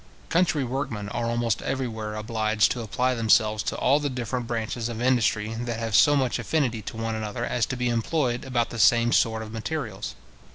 Country workmen are almost everywhere obliged to apply themselves to all the different branches of industry that have so much affinity to one another as to be employed about the same sort of materials.